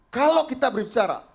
kalau kita berbicara